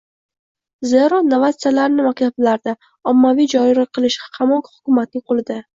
zero novatsiyalarni maktablarda ommaviy joriy qilish hamon hukumatlarning qo‘lida.